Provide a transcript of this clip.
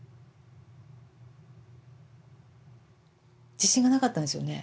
自信がなかったんですよね